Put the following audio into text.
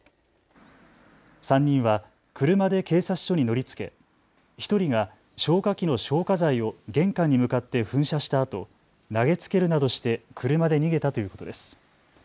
３人は車で警察署に乗りつけ、１人が消火器の消火剤を玄関に向かって噴射したあと投げつけるなどして車で逃げたということです。